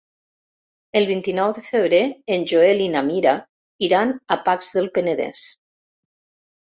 El vint-i-nou de febrer en Joel i na Mira iran a Pacs del Penedès.